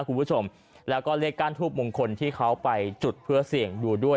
คุณผู้ชมแล้วก็เลขก้านทูบมงคลที่เขาไปจุดเพื่อเสี่ยงดูด้วย